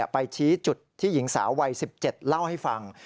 ไปชี้จุดที่หญิงสาววัย๑๗เล่าให้ฟัง